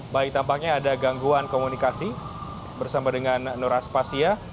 baik tampaknya ada gangguan komunikasi bersama dengan nur aspasya